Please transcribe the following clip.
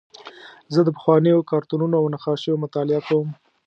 زه د پخوانیو کارتونونو او نقاشیو مطالعه کوم.